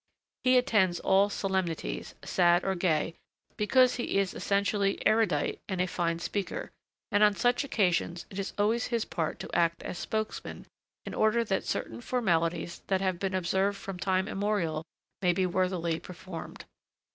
He attends all solemnities, sad or gay, because he is essentially erudite and a fine speaker, and on such occasions it is always his part to act as spokesman in order that certain formalities that have been observed from time immemorial may be worthily performed.